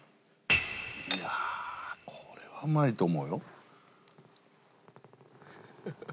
いやあこれはうまいと思うよ。